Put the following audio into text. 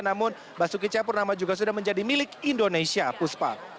namun basuki cahayapurnama juga sudah menjadi milik indonesia puspa